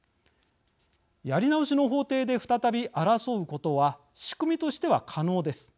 やり直しの法廷で再び争うことは仕組みとしては可能です。